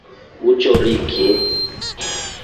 Uchori ki?